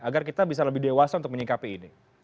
agar kita bisa lebih dewasa untuk menyingkapi ini